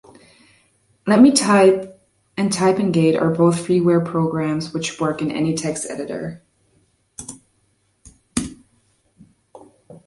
Letmetype and Typingaid are both freeware programs which work in any text editor.